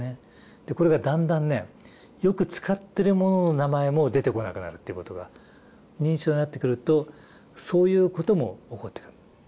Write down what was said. これがだんだんねよく使ってるものの名前も出てこなくなるってことが認知症になってくるとそういうことも起こってくる。